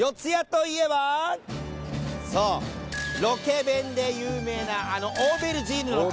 そうロケ弁で有名なあのオーベルジーヌのカレー。